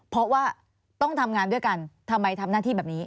เพราะว่าต้องทำงานด้วยกันทำไมทำหน้าที่แบบนี้